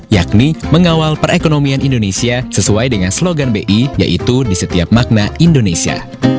yakni mengawal perekonomian indonesia sesuai dengan slogan bi yaitu di setiap makna indonesia